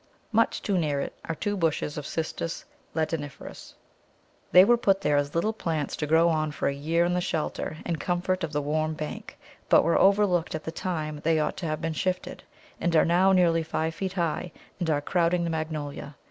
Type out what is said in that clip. Much too near it are two bushes of Cistus ladaniferus. They were put there as little plants to grow on for a year in the shelter and comfort of the warm bank, but were overlooked at the time they ought to have been shifted, and are now nearly five feet high, and are crowding the Magnolia.